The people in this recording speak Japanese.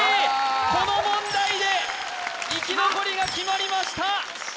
この問題で生き残りが決まりました！